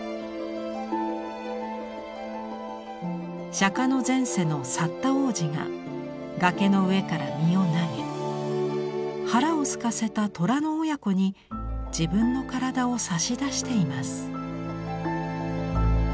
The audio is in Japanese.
釈の前世のサッタ王子が崖の上から身を投げ腹をすかせた虎の親子に自分の体を差し出しています。